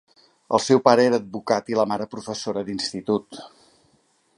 El seu pare era advocat i la mare professora d'institut.